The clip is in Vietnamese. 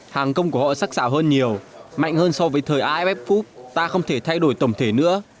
hàng công của họ sắc xảo hơn nhiều mạnh hơn so với thời iff ta không thể thay đổi tổng thể nữa